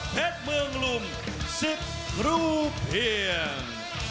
เพชรเมืองลุม๑๐รูเพียง